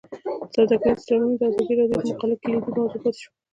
سوداګریز تړونونه د ازادي راډیو د مقالو کلیدي موضوع پاتې شوی.